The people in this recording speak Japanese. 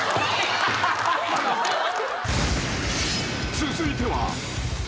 ［続いては］